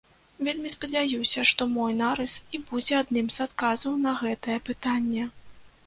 Вельмі спадзяюся, што мой нарыс і будзе адным з адказаў на гэтае пытанне.